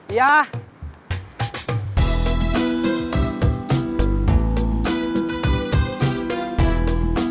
udah nanti gini